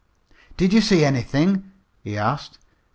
"Did you see anything?" he asked.